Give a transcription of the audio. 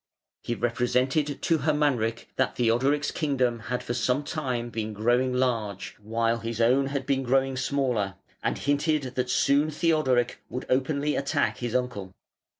He represented to Hermanric that Theodoric's kingdom had for some time been growing large, while his own had been growing smaller, and hinted that soon Theodoric would openly attack his uncle.